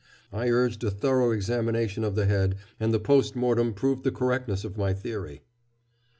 I urged a thorough examination of the head, and the post mortem proved the correctness of my theory."